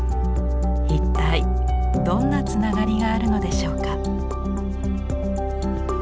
一体どんなつながりがあるのでしょうか。